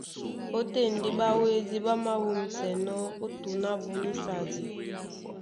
Ótên ndé ɓáwédí ɓá māwûmsɛnɔ́ ó tǔn ábú nísadi.